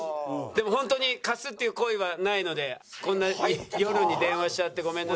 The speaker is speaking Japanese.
でもホントに貸すっていう行為はないのでこんなに夜に電話しちゃってごめんなさい。